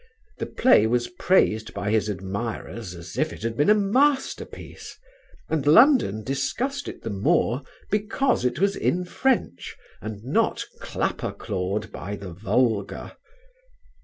The play was praised by his admirers as if it had been a masterpiece, and London discussed it the more because it was in French and not clapper clawed by the vulgar.